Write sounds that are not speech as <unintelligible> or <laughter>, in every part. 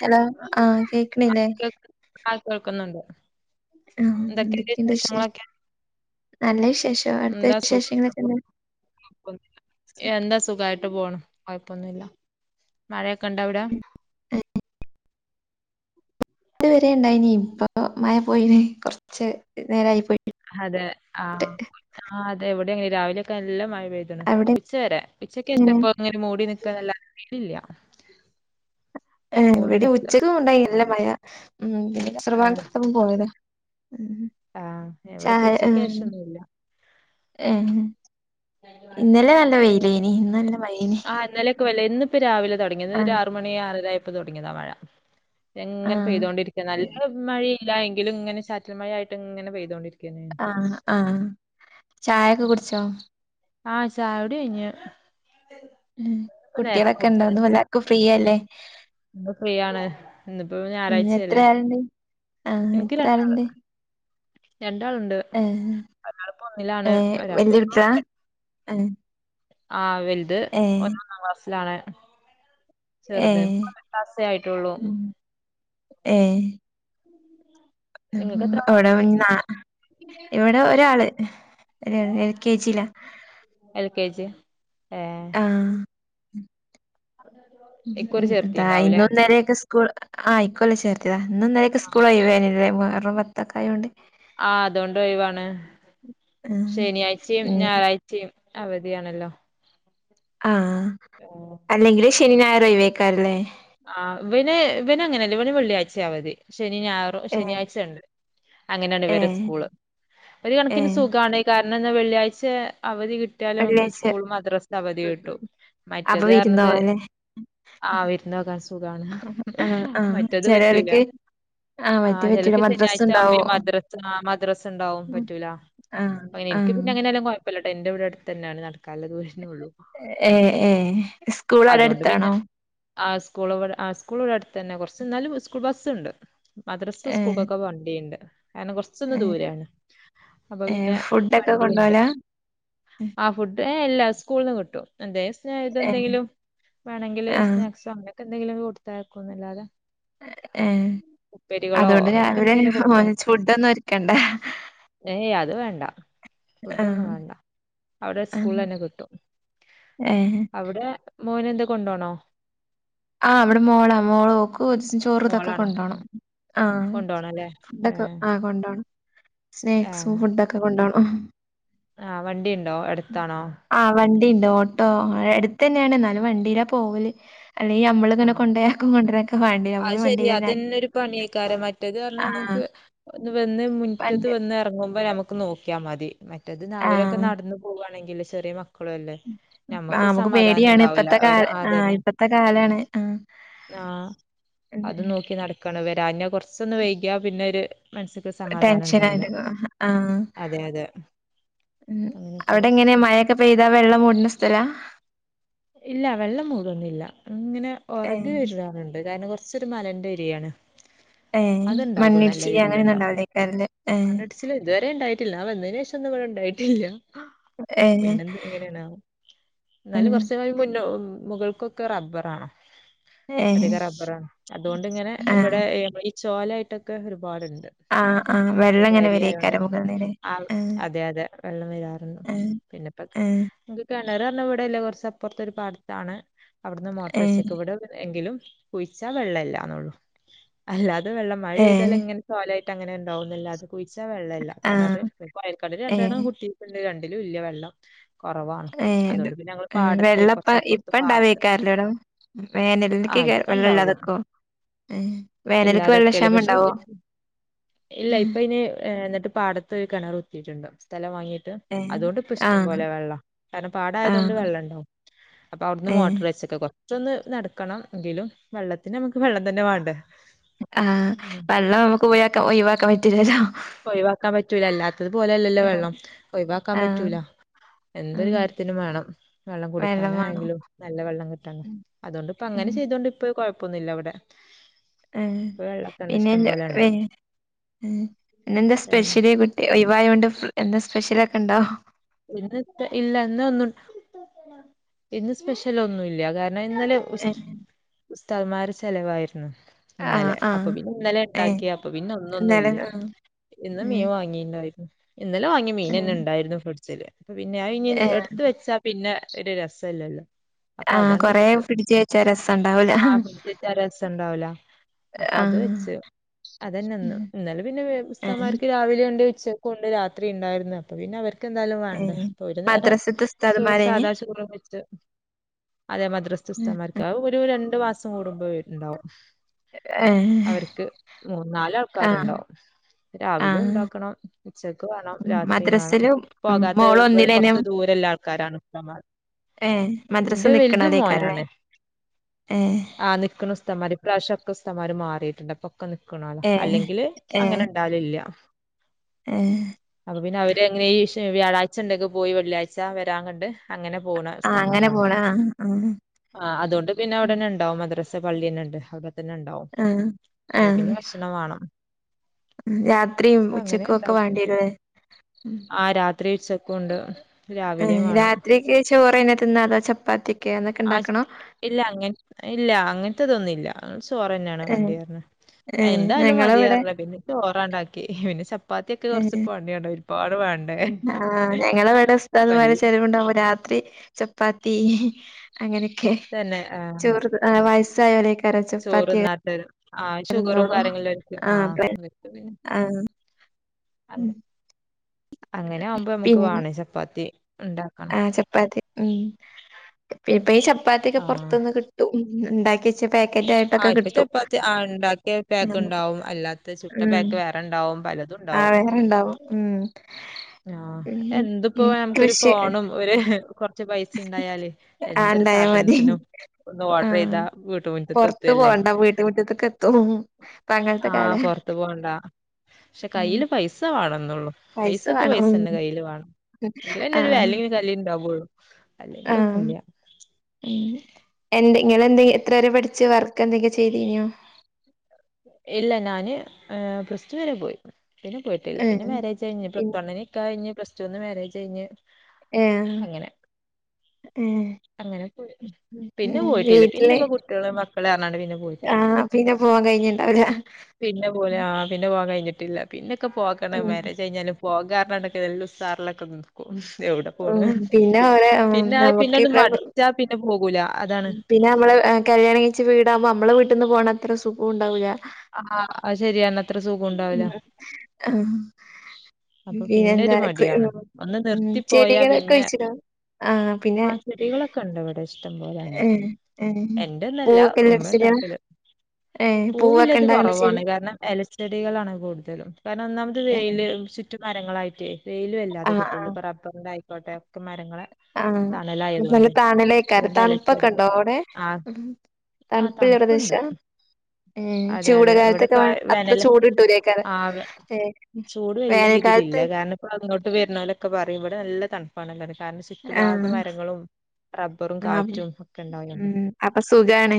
Hello ആഹ കേക്ക്ണില്ലേ കേക്ക് ആ കേൾക്കുന്നുണ്ട്. ആഹ് എന്തൊക്കെണ്ട് എന്തൊക്കെയുണ്ട് വിശേഷങ്ങളൊ വിശേഷം ക്കെ? നല്ല വിശേഷം. അട്ത്ത വിശേഷങ്ങളൊക്കെന്താ? എന്താ സുഖായിട്ട് പോണ്. കൊയ്പ്പൊന്നുല്ല മഴയൊക്കെ ഇണ്ട അവിടെ? ഉം. ഇതുവരെ ഉണ്ടായിനി. ഇപ്പ മയ പോയിന് കൊർച് നേരായി പോയി. അതെ. ആഹ്, ആ, അതെ എവിടെ ങ്ങനെ രാവിലൊക്കെ നല്ല മഴ. പെയ്തണ്. അവിടെ ഉച്ച വരെ എങ്ങനെ ഉച്ചയ്ക്കേഷം പ്പങ്ങനെ മൂടി നിക്ക്യന്നല്ലാന്ന് വെയിലില്ല. ഏ മൂടി ഇവിടിം നിക്ക ഉച്ചക്കും ഉണ്ടായി നല്ല മഴ. ഉം.. പിന്നെ ആഹ് അസർബാങ്ക് കൊടുത്തപ്പം പോയത. ആഹ് ഇവിടെ ഇപ്പോ ചായ ഉച്ചക്ക് ഉം... ശേഷൊന്നുല്ല ങേ... ഇന്നല്ലെ നല്ല പിന്നെ വെയിലെനീ ഇന്ന് നല്ല മ ആ ഇന്നലൊക്കെ വല്ല. ഇന്ന്പ്പം രാവിലെതൊടങ്ങിയതാ ഇന്നരു ആഹ് ആറുമണി ആറരായ് പ്പ തൊടങ്ങിയതാ മഴ. ന്നങ്ങനെ ആഹ് പെയ്തോണ്ടിരിക്ക നല്ല മഴെ. ഇല്ല എങ്കിലും ങ്ങനെ ചാറ്റൽമയായിട്ട് ങ്ങനെ ചെയ്തോണ്ടിരിക്കാ. ആഹ, ആഹ, ചായൊക്കെ കുടിച്ചോ? ആഹ്, ചായോടി കൈഞ്ഞ്. ഉം.. കുട്ട്യളൊക്കെണ്ടൊ? ഇന്ന് എല്ലാർക്കും ഫ്രീയല്ലേ? ഇന്ന് ഫ്രീയാണ്. ഇന്നിപ്പോ ഞായറാഴ്ച്ചല്ലേ? ആഹ, ഇത്ര ആളിണ്ട്? രണ്ടാളുണ്ട്. ഒരാളിപ്പോ ഒന്നിലാണ്. ഏഹ് ഒരാൾക്പ്പോ വല്യ കുട്ട്യാളാ ഏഹ് ആഹ്, വൽത് ഏഹ് ഓനൊന്നാം ക്ലാസിലാണ്. ചെർത് ഏഹ് <unintelligible> ആയിട്ടൊള്ളൂ. ഏ, നിങ്ങൾക്ക് എത്ര ആളാ അവിടെന്നാ ഇവിടെ ഒരാള്. ഒരാൾ എൽ കെ ജിലാ. ഏ... ഇൻതാ ചേർത്തിണ്ടാവൂല്ലേ ഇന്നുന്നെലെക്കെ കൂൾ ആ ഇക്കൊല്ലം ചേർത്ത്യതാ. ന്നും ന്നലൊക്കെ സ്കൂൾ ഒഴിവേനിലെ? മുഹറം പത്തൊക്കെആയോണ്ട്. ആഹ, അതോണ്ട് ഒഴിവാണ് ആഹ് ശനിയായ്ച്ചിം ഇനി ഞായറായ്ച്ചിം. അവധിയാണല്ലോ. ആഹ, അല്ലെങ്കില് ശനീം ഞായറും ഒയവൈക്കാരംല്ലേ? ആഹ്, ഇവന് ഇവനങ്ങനല്ല. ഇവന് വെള്ളിയാഴ്ചെ അവധി. ശനിം ഞായറും ഏഹ് ശനിയാഴ്ചഇണ്ട്. അങ്ങനെയാണ് ഇവരെ ഏഹ് സ്കൂള്. ഒരു കണക്കിന് ഏഹ് സുകാണ്. കാരണം എന്നാൽ വെള്ളിയാഴ്ച അവധി. കിട്ട്യാല് നമുക്ക് വെള്ളിയാഴ്ച സ്കൂൾ മദ്രസ അവധി കിട്ടു. അപ്പൊ മറ്റേത് വിരുന്ന് അറഞ്ഞത് പോവാല്ലേ ആ വിരുന്നു. സുഖ സുഗാണ് ആഹ് ആഹ് മറ്റത് പെറ്റൂല. ചെലോൽക്ക് മറ്റേ ആഹ്, പറ്റൂല ചെലർക്ക് മദ്രസ് ശനാഴ്ച ആകുമ്പോ ഈ ഉണ്ടാവും മദ്രസ് മദ്രസ ഉണ്ടാവും പറ്റൂല. ആഹ് അങ്ങനെ എനിക്ക് ആഹ് പിന്നെ അങ്ങനൊന്നും കൊയപ്പല്ലട്ടോ എന്റെവിടെ അടുത്ത് തന്നെയാണ് നടക്കാനുള്ളതൂരം. ഏ, ഏ, സ്കൂൾ അവിടെ അതുകൊണ്ട് പിന്നെ അടുത്താണോ? ആ സ്കൂൾ ആ സ്കൂളിവിടെ അടുത്തന്നെ. കുറച്ച്ന്നാലും സ്കൂൾ ബസ്സുണ്ട്. മദ്രസ് ഏഹ് സ്കൂൾക്കൊക്കെ വണ്ടിയണ്ട്. കാരണം കൊറച്ചൊന്ന് ഏഹ് ദൂരാണ് അപ്പൊ ഏഹ് പിന്നെ ഫുഡൊക്കെ വണ്ടിഇണ്ട്. കൊണ്ടോവല ആ ഫുഡ് എല്ല സ്കൂളന്ന് കിട്ടും. എന്ത ഏഹ് ഇതെന്തെങ്കിലും വേണെങ്കിൽ. ആഹ് അങ്ങനത്തെന്തെങ്കിലും കൊടുത്തയക്കും അല്ലാതെ. ഏ, അതോണ്ട് അങ്ങനെയൊക്കെ രാവിലെ എന്തെങ്കിലും ഫുഡ് ഒന്നും ഒരുക്കണ്ട. ഏ അത് വേണ്ട. ഫുഡ് ഒന്നും ആഹ് വേണ്ട അവിടെ ആഹ് സ്കൂലെന്നെ കിട്ടും. ഏഹ് അവിടെ, മോന് എന്ത് കൊണ്ടോണോ? ആഹ്, അവിടെ മോളാ മോൾ ഓക്ക് ചോറ്തൊക്കെ മോളാണോ ഉം. കൊണ്ടോണം. ആഹ്, കൊണ്ടുപോകണം അല്ലേ ഏ ഫുഡ്ഒക്കെ ആ കൊണ്ടോണം. സ്നാക്സും ഫുഡൊക്കെ കൊണ്ടോണം ആഹ് വണ്ടിയുണ്ടോ എടുത്താണോ? ആഹ് വണ്ടിണ്ട് ഓട്ടോ എടുത്തെന്നാണ് ഇന്നാലും വണ്ടീല പോവല്. അല്ലെ ഞമ്മള് ആ ങ്ങനെ കൊണ്ടയാക്കും കൊണ്ടരൊക്കെവാണ്ടെ അപ്പ അത് പിന്നെ വണ്ടി ശരിയാ ലനാക്കി. ഒ വന്ന് മുറ്റത്ത് വന്ന് ഇറങ്ങും. മ്പം നമുക്ക് നോക്കിയാ മതി മറ്റേത് അവരൊക്കെ ആഹ് നടന്ന് പോവാണെങ്കിൽ ചെറിയ മ നമുക്ക് പേടിയാണ് ഇപ്പത്തെ കാല ആ ഇപ്പത്തെ കാലം. ആ ഉം അത് നോക്കി നടക്കണം വെ വരാന് കുറച്ചൊന്ന് വൈകിയ പിന്നൊരു. ടെൻഷൻ ആയിരുന്നു ആഹ്- അതെ അതെ അങ്ങനെ അവിടെ പോവും എങ്ങനെ മഴൊക്കെ പെയ്താ വെള്ളം മൂടുന്ന സ്ഥലാ ഇല്ല വെള്ളം മൂടൊന്നില്ല ഇങ്ങനെ ഒറക് ഏഹ് വരാറുണ്ട്. കാരണം കുറച്ചൊരു മലന്റെ ഏരിയാണ്. ഏഹ് അത്ണ്ടാകും നല്ല മണ്ണിടിച്ചില് രീതീൽ അങ്ങനെയൊന്നും ഇണ്ടാവും ഉണ്ടാവില്ലേക്കാരല്ലേ ഏഹ് മണ്ണടിച്ചില് ഇതുവരെ ഇണ്ടായിട്ടില്ല. ഞാൻ വന്നേന് ശേഷം ഒന്നും ഇവിടെ ഇണ്ടായിട്ടില്ല ഏഹ് പിന്നെ എന്ത എങ്ങനേ ണാവോ ഏഹ് എന്നാലും. മുന്നെ മുകൾക്കൊക്കെ റബ്ബറാണ്. ഏഹ് അധികം റബറാണ് അതുകൊണ്ട് ഇങ്ങനെ ആഹ് ഇവിടെ ഈ ചോലായിട്ടൊക്കെ. പോലണ്ട്. ആഹ് ആഹ് അപ്പോ വെള്ളം ഇങ്ങനെ വെരായൊണ്ട് വരേക്കാരം മുകളിന്ന് ല്ലേ ആ ആഹ് അതെ അതെ വെള്ളം വരാരുന്നു. ആഹ് പിന്നെപ്പൊ ആഹ് കെ കിണർ പറഞ്ഞ ഇവിടല്ല കുറച്ച് അപ്പറത്തൊരു പാടത്താണ് അവിടുന്ന് മോട്ടോർ ഏ വച്ചക്കാണ് ഇവിടെ എങ്കിലും. കുഴിച്ചാൽ വെള്ളല്ലാന്നൊള്ളൂ അല്ലാതെ വെള്ളം മഴ ഏ പെയ്തൽ ഇങ്ങനെ ചോലായി. ട്ടങ്ങനെ ഇണ്ടാവുന്നല്ലാതെ കുഴിച്ചാ വെള്ളല്ല കിണർ ആഹ് കൊയൽ ഏ കെണർരണ്ടെണ്ണം കുത്തിട്ടുണ്ട് രണ്ട്. ഇല്ല വെള്ളം കുറവാണ് അതുകൊണ്ട്ന്നെ പിന്നെ ഞങ്ങൾ പാട വെള്ളം ഇപ്പം ഇണ്ടാവേക്കാറല്ലോടോ ആ വേനല്ക്കാകും ഇപ്പ വെള്ളം ഇണ്ടാവും ഇല്ലാതെക്ക വേനല്ക്ക് വെള്ള ഇല്ലാതെക്കല് ക്ഷാമ ഇണ്ടാവോ? പക്ഷെ ഇല്ല ഇപ്പൊ ഇനി എന്നിട്ട് പാടത്ത് ഒരു കിണർ കുത്തിയിട്ടുണ്ട് സ്ഥലം വാങ്ങി് ഏ അതുകൊണ്ട് ഇപ്പ ഇഷ്ടം ആഹ് പോലെ വെള്ളം കാരണം പാടായതുകൊണ്ട് ആഹ് വെള്ളം ഇണ്ടാവും. അപ്പൊ അവിടുന്ന് ഏ മോട്ടർ വച്ചക്ക കൊറച്ചൊന്ന് നടക്കണം എങ്കിലും വെള്ളത്തിന് നമുക്ക് വെള്ളം തന്നെ വണ്ടേ? ആഹ് വെള്ളം നമുക്ക്ഴക്ക ഒഴിവാക്കാൻ പറ്റൂല്ലല്ലോ? ഒഴിവാക്കാൻ പറ്റൂല അല്ലാത്തത് പോലല്ലോ വെള്ളം ഒഴിവാക്കാൻ ആഹ് പറ്റൂല. എന്തൊരു ആഹ് കാര്യത്തിനും വേണം വെള്ളം കുടിക്കാന ആയെങ്കിലും നല്ല വെള്ളം കിട്ടണം ഉം അതുകൊണ്ട്പ്പ ഉം അങ്ങനെ. ചെയ്തോണ്ട് ഇ പ്പകുഴപ്പൊന്നുല്ല ഇവിടെ. ആ ഇപ്പ വെള്ളമൊക്കെ ഉണ്ട് പിന്നെ ഇഷ്ടം എന്താ പോലെ ഉണ്ട് ഇന്നെന്താ ഏ, സ്പെഷ്യല് കുട്ടിഒയിവായോണ്ട് എന്താ സ്പെഷ്യല ഒക്കെ ഉണ്ടോ? ഇ ഇല്ല ഇ ഒന്നും ഇന്ന് സ്പെഷ്യല് ഒന്നുംല്ല കാ എന്ന ഇന്നലെ ഏഹ് ഉസ്താദ്മാരെ ചെലവായിരുന്നു. ആഹ് ഇന്നലെ അപ്പൊ ആഹ് പിന്നെ ഇന്നലെ ഏഹ് ഉണ്ടാക്കിയ അപ്പൊ പിന്നെ ഇന്നൊന്നും ഇന്നലെ ഇല്ല. ആഹ് ഇന്ന് ഏഹ് മീൻ വാങ്ങിയിണ്ടായിരുന്നു. ഇന്നലും വാങ്ങിയ ഉം മീൻന്നെ ഇണ്ടായിരുന്നു ഫ്രിഡ്ജില് അത് പിന്നെ അയിനി ഏഹ് എടുത്ത് വെച്ചാ പിന്നെ ഒരു രസംല്ലല്ലോ? ആഹ കൊറെേ പിടിച്ചച്ചാ രസം ആഹ ഫ്രിഡ്ജിൽ വച്ച രസുണ്ടാവൂല അപ്പൊ അത് ആഹ് വെച്ച് അതന്നെന്ന് ഉം ഇന്നല പിന്നെ ഉസ്താദ് ഏഹ് മാർക്ക് രാവിലെ ഇണ്ട്. ഉച്ചക്കു ണ്ട് രാത്രി ഇണ്ടായിരുന്നു അപ്പ പിന്നെ അവർക്ക് എന്തായാലും വേണ്ടേ ഏഹ് അപ്പൊ ഒരു നേരം മദ്രസത്തെ ചോറ് ഉസ്താദ്മാരേനി സാധാ ചോറ് വെച്ച്. അതെ മദ്രസ്ത്തെ ഉം. ഉസ്താദ്മാർക്ക് ഒരു രണ്ടു മാസം കൂടുമ്പോ വരുണ്ടാവും. ഏ അവർക്ക് ആഹ് മൂന്നാലാൾക്കാരുണ്ടാവും രാവിലെ ആഹ് ഇണ്ടാക്കണം. ഉച്ചക്ക് വേണം ഉം. രാത്രിയും വേണം മദ്രസില് ഉം പോകാത്ത മോള് ഇടെ ഒന്നിലേനും കൊറച്ച് ദൂരെള്ളാ ആൾക്കാരാണ് ഉസ് ഏഹ് മദ്രസ് ഇൻ്റെ വല്തും നിക്ക്ണോലേക്കാരല്ലേ മോനാണ്. ഏഹ് ആ നിക്ക്ണ ഉസ്താത് മാര് ഇപ്രാവശൃ ഒക്കെ ഉസ്താന്മാര് മാറിയിട്ടുണ്ട് അപ്പൊ ഒക്കെ നിക്കണോല ഏഹ് അല്ലെങ്കില് അങ്ങനെ ഏഹ് ഉണ്ടാലില്ല. ഏഹ് അപ്പൊ പിന്നെ അവര് എങ്ങനെ വ്യാഴാഴ്ച ഉണ്ടൊക്കെ പോയി വെള്ളിയാഴ്ച വരാ കണ്ട് അങ്ങനെ പോണ ആഹ് അങ്ങനെ ഉസ്താദ്മാരാണ് പോണ ആഹ് ആഹ് ആ അതുകൊണ്ട് പിന്നെ ഉം. അവിടന്നെണ്ടാവും മദ്രസ പള്ളിന്നെണ്ട് അവിടെ തന്നെണ്ടാവും ആഹ് അപ്പ ആഹ് പിന്നെ ഭക്ഷണം വാണം. രാത്രിയും അപ്പൊ അങ്ങനെ ഉച്ചക്കും ഒക്കെ ഇണ്ടാക്കും. വേണ്ടിരോ അത്? ആ രാത്രി ഉച്ചക്കുണ്ട്. രാവിലെയും വാണം. രാത്രിക്ക് ചോറെന്നെ. <unintelligible> ചപ്പാത്തി ആ ഇല്ല അങ്ങ ഇല്ല അങ്ങനത്തതൊന്നുംല്ല. ചോറെന്നെണ് ഏഹ് വേണ്ടീര്ണ്. ഏഹ് എന്തായാലും ഞങ്ങളവിടെ മതിപറഞ്ഞു. പിന്നെ ചോറ ഉണ്ടാക്കി പിന്നെചപ്പാ ചപ്പാത്തിയൊക്കെ കൊറച്ച് ഏഹ് പണി ആണ് ഒരുപാട് വേണ്ടേ ആഹ് ഞങ്ങളവിടെ ആ ക ഉസ്താദ്മാര് ചെലവുണ്ടാവുമ്പോ രാത്രി ചപ്പാത്തി അങ്ങനൊക്കെ തന്നെ ചോറ് വയസ്സായലൊയ്ക്കാരം ചോറ്ന്നാത്തത്. ആ ഷുഗറും തിന്നോളൂ കാര്യങ്ങലുള്ളോർക്. ആ ആഹ് പെ ആഹ് ഉം അങ്ങനെകുമ്പോ നമുക്ക് വാണെ ചപ്പാത്തി ഇണ്ടാക്കണം. ആ ചപ്പാത്തി ഉം ഇപ്പൊ ഈ ചപ്പാത്തിയൊക്കെ ആഹ് പൊറത്തുന്ന് കിട്ടും. ണ്ടാക്കിച്ച ആ ഇപ്പൊ ചപ്പാത്തി ആ ഉണ്ടാക്കിയ പാക്ക് ഉം ഉണ്ടാവും. അല്ലാത്ത ചുട്ട പാക്ക് വേറെ ഉണ്ടാവും. പലതും, ആഹ വേറെണ്ടാവും ഉം ആ പിന്നെ എന്ത്പ്പൊ ഉം നമുക്കൊരു കൃഷി ഫോണും ഒരു പൈസണ്ടായാല് ആഹ് എന്തൊരു ഇണ്ടായാ മതി സാധനത്തിനും ഒന്ന് ആഹ് ഓർഡറയ്ത വീട്ട്മുറ്റത്ത് പൊറത്ത് എത്തല്ലേ പോവണ്ട വീട്ട് മുറ്റത്ത്ക്ക് എത്തും ഇപ്പ അങ്ങനത്തെ ആ കാല പൊറത് ത്തു പോണ്ട പക്ഷെ ഉം കയ്യില് പൈസ വേണന്നൊള്ളൂ. പൈസ പ്പക്ക് വേണം ഉം പൈസെന്നെ കയ്യില് വാണം. എങ്കിലേ ഒരു വെലിം നെലിം ആ എന്ത ങ്ങളെന്തിയ്യ എത്ര വരെ പഠിച്ചു? വർക്ക എന്തെങ്കക്കെ ചെയ്തനോ റ്റു വരെ പോയി പിന്നെ പോയിട്ടില്ല പിന്നെ ഏഹ് മാരേജ് കയിഞ്ഞ് പിൻ പ്ലസ് വണ്ണിന്നു നിക്കാഹ് കയിഞ്ഞ് പ്ലസ് ടുന്ന് മാരേജ് കഴഞ്ഞ് ഏ ഉം അങ്ങനെ പോയി പിന്നെ പോയിട്ടില്ല പിന്നെ വീട്ടില് ഇപ്പോ കുട്ടികള് മക്കള് പറഞ്ഞാണ്ട് പിന്നെ ആ പോയിട്ടില്ല പിന്നെ പോ പിന്നെ പോലെ ആഹ പിന്നെ പോവാ കഴിഞ്ഞിട്ട് ല്ല പിന്നൊക്കെ പോകണ ഉം മാരേജ് കഴിഞ്ഞാലും പോകാണൊക്കെ നല്ലു സാറിലൊക്കെ നോക്കും. എവിടെ പോണ് ഉം പിന്നെ ഓരെ ഉം പിന്നാ പിന്നെ നമുക്ക് ഇവിടെ മടിച്ചാ പിന്നെ പോകൂല. അതാണ് പിന്നെ നമ്മള് കല്യാണംകഴിച്ച വീടാകുമ്പോ നമ്മള് വീട്ടീന്ന് പോകണത്ര സുഖം ഉണ്ടാവൂല. ആ അ ശെരിയന്ന അത്ര സുഖം ഉണ്ടാവില്ല. ഉം ആഹ് അപ്പൊ പിന്നൊരു പിന്നെന്താ കൃ ഉം മടിയാണ് ഒന്ന് ഉം. നിർത്തി പോയാ ചെടികളൊക്കെ പിന്നെ കുഴിച്ചിടോ? ആഹ് പിന്നെ ആ ചെടികളൊക്കെണ്ട്വ്ടെ ഇഷ്ടംപോലെ. ണ്ട് ഏഹ് ഏഹ് എന്റൊന്നല്ല പൂവൊക്കെല്ലെ ഉമ്മ ഉണ്ടാക്കല്. ഏ പൂവൊക്കെ പൂവില്ലത് ഉണ്ടാകണ ചെടി കൊറവാണ് കാരണം എലച്ചെടികളാണ് കൂടുതലും കാരണം ഒന്നാമത് ഏ വെയില് ചുറ്റും മരങ്ങളായിട്ട് വെയില് വല്ലാതെ കിട്ടൂല പ റബ്ബറിൻ്റായിക്കോട്ടെ കെ മര ആ നല്ല താണലെയ്കാരം അതുകൊണ്ട് അലർജി അധികം തണുപ്പൊക്കെണ്ടോ അവടെ? ആ ആ തണുപ്പ്ള്ള തണുപ്പുണ്ട് പ്രദേശാ. ഉം അതെ ചൂട് അതെ കാലത്തൊക്കെ ഇവിടെപ്പ അത്ര വേനല് ചൂട് കിട്ടൂലേക്കാരം വേനൽ ഇതില്ല കാരണം ഇപ്പോ ഇങ്ങോട്ടു വരുന്നൊലൊക്കെ പറയും ബടെ നല്ല തണുപ്പാണ്. കാരണം ചുറ്റുഭാഗം മരങ്ങളും റബ്ബറും ആ കാറ്റും ഒക്കെ ഉണ്ടാവണ്ട് ഉം അപ്പൊ സുഖാണ്.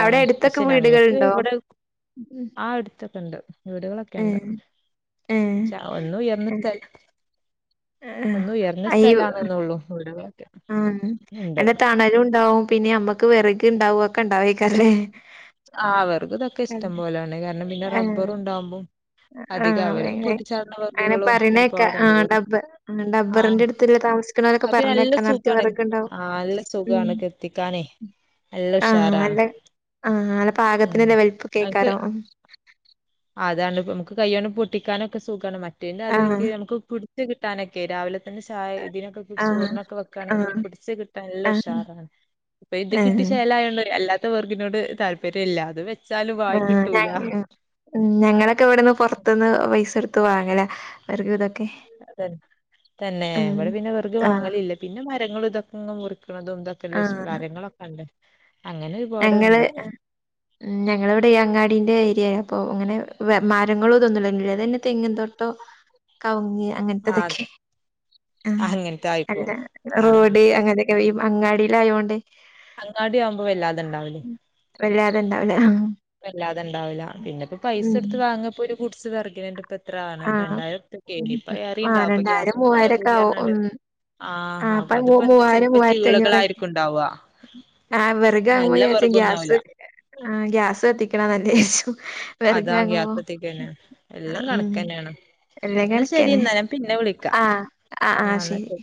അവിടെ അടുത്തൊക്കെ പക്ഷെ ഞങ്ങൾക്ക് വീടുകളുണ്ടോ ഇവിടെ ആ ട്ത്ത്. ണ്ട് വീടുകളൊക്കെ ഏ ണ്ട് ഏ ക്ഷെ ഒന്ന് ഉയർന്ന ഒന്ന് ഉയർന്ന ആ ഈ സ്ഥലണ് ന്നൊള്ളൂ വീട്കള്. ഉം എന്ത തണലുണ്ടാവും പിന്നെ അമ്മക്ക് വെറക് ഉണ്ടാവും ഒക്കെ ഉണ്ടാവേക്കാല്ലേ ആ വർകും ഇതൊക്കെ ഇഷ്ടം പോലാണ് കാരണം പിന്നെ റബ്ബറുണ്ടാവുമ്പോം. ആഹ് അധികം അവരും ആഹ് പെട്ടിച്ചാർന്ന അങ്ങനെ വർഗുകളും പറയണേക്കാ ആ ഒരുപാടുണ്ട് വർ ഡബ്ബ ആ, ആഹ് ഡബ്ബറിന്റെ അടുത്തുള്ള താമസിക്കണോരൊക്കെ അപ്പ നല്ല പറഞ്ഞേക്കാ നെറച്ച് സുഖാണ് വെറകുണ്ടാവും. ആ നല്ല ഉം സുഖമാണ് കെത്തിക്കാനേ എല്ല ഉുഷാറാണ് ആഹ നല്ല പാകത്തിനുള്ള വൽപക്കെയ്കാരം അതാണ്ട് നമുക്ക് കയ്യോണ്ട് പൊട്ടിക്കാനെക്കെ സുഖമാണ് ആ മറ്റേതിന്റാതിരിക്ക് നമുക്ക് കുഡ് ത് കിട്ടാനൊക്കെ രാവിലെ അ ചായ ഇ തിനൊക്കെ ആ പിടിച്ച് ചേർണൊക്കെ ആ വെക്കയാണെങ്കിൽ പിടിച്ച് കിട്ടാൻ ആ എല്ലാം ഉഷാറാണ് ഇപ്പൊ ഇത് ഏ കിട്ടി ചേലായേണ്ട് അല്ലാത്ത വർഗിനോട് താല്പര്യമില്ലല അത് വെ ആഹ തങ്ക്യൂ ഉം ഞങ്ങളൊക്കെ ഇവിടെന്ന് പുറത്തുന്ന് പൈസ കെടുത്ത് വാങ്ങല വർക് ഇതൊക്കെ തരി തന്നെ.. ഇവിടെ പിന്നെ വെറുക് ആ വാങ്ങലില്ല പിന്നെ മരങ്ങൾ ഇതൊന്നും മുറിക്കുണതും ഇതൊക്കെ ആ ഷ് മരങ്ങളൊക്കെണ്ട്. ഞങ്ങള് ഉം ഞങ്ങളവിടെ ഈ അങ്ങാടിന്റെ ഏരിയയാ. പ്പൊ അങ്ങനെ വെ മരങ്ങളും തൊന്നും വേങ്ങില തെങ്ങിൽ തൊട്ടോ കവ്ങ്ങിയ ആ അങ്ങൻത്തതൊക്കെ ആഹ് അങ്ങനത്തായിരിക്കും അല്ല ആഹ് റോഡ് അങ്ങനെ. ഈ അങ്ങാടീലായേണ്ട് അങ്ങാടി ആവുമ്പോ വല്ലാതണ്ടാവലി ഉം. വല്ലാതെ ഇണ്ടാവൂല വല്ലാതെണ്ടാവുല പിന്നെപ്പൊ പൈസ ഉം എടുത്ത് വാങ്ങുബേ ഒരു കുട്സ് വെർകിനെന്നെ പ്പത് എത്രാണ് ആഹ് ഉം രണ്ടായിരെർപൃക്കേന് ഇപ്പ ഉം. ആഹ് ഏറീണ്ടാവും അപ്പൊ രണ്ടായിരം ഗ്യാസിന് വെല മൂവായിരൊക്കെ ആവും കൂടീന്പർഞാണ്ട്. ഉം ആഹ് അപ്പ ഹാ അതിപ്പോ എന്താ മൂവായിരം ചെലപ്പോ മൂവായിരത്തി അഞ്ഞൂറൊക്കെ ചീളുകളായിരിക്കും ഉണ്ടാവാ ആഹ് വെറഗ് ആങ്ങുമ്പോ നല്ല വിചാര്ച്ചും വെറകൊന്നാവൂല ഗ്യാസ് ആ ഗ്യാസ് കത്തിക്കണാ നല്ലെ വിചാര്ച്ചും. അതാ വെറകാകുമ്പൊ ഗ്യാസത്തിക്കന്നെ ആ എല്ലും ഉം കണക്കന്നെയാണ് എല്ലാം എന്നാ ശരി കണക്കെന്നെ എന്നാ ഞാൻ പിന്നെ വിളിക്കാം ആഹ് ആ ഹാ ആഹ് എന്നാ ശെരി ശരി